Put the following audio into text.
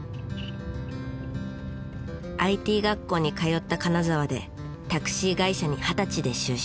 ＩＴ学校に通った金沢でタクシー会社に二十歳で就職。